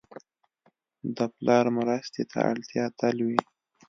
د پلار مرستې ته اړتیا تل وي.